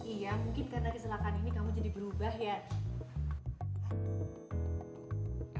iya mungkin karena kecelakaan ini kamu jadi berubah ya